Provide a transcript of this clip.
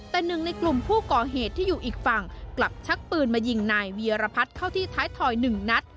แต่หนึ่งในกลุ่มผู้ก่อเหตุที่อยู่อีกฝั่งกลับชักปืนมายิงนายเวียรพัฒน์เข้าที่ท้ายถอย๑นัด